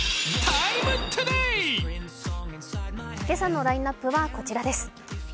今朝のラインナップはこちらです。